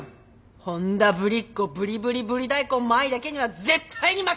本田ブリっ子ブリブリブリ大根麻衣だけには絶対に負けられない！